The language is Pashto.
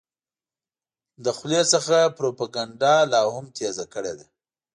له خولې خپله پروپیګنډه لا هم تېزه کړې ده.